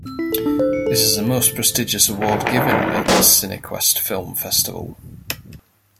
It is the most prestigious award given at the Cinequest Film Festival.